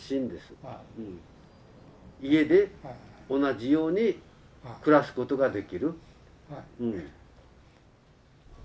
家で同じように暮らすことができる。